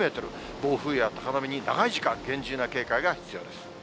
暴風や高波に長い時間厳重な警戒が必要です。